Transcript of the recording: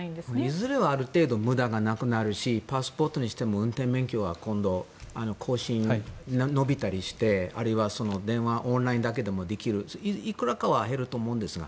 いずれはある程度、無駄がなくなるしパスポートにしても運転免許は更新が延びたりしてあるいは電話、オンラインだけでもできるいくらかは減ると思うんです。